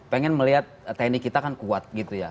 pengen melihat tni kita kan kuat gitu ya